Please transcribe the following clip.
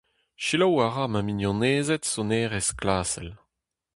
Selaou a ra ma mignonezed sonerezh klasel.